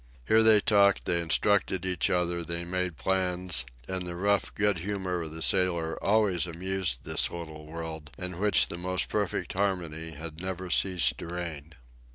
There they talked, they instructed each other, they made plans, and the rough good humor of the sailor always amused this little world, in which the most perfect harmony had never ceased to reign.